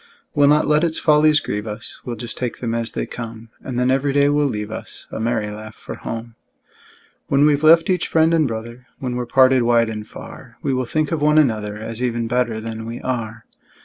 We'll not let its follies grieve us, We'll just take them as they come; And then every day will leave us A merry laugh for home. When we've left each friend and brother, When we're parted wide and far, We will think of one another, As even better than we are.